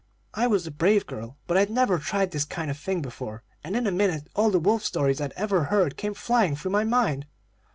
I was a brave girl, but I'd never tried this kind of thing before, and in a minute all the wolf stories I'd ever heard came flying through my mind.